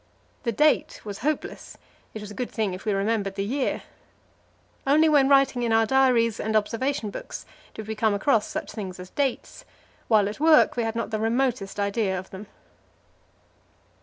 The date was hopeless; it was a good thing if we remembered the year. Only when writing in our diaries and observation books did we come across such things as dates; while at work we had not the remotest idea of them.